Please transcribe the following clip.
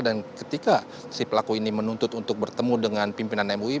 dan ketika si pelaku ini menuntut untuk bertemu dengan pimpinan mui